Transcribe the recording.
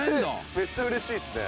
めっちゃうれしいっすね。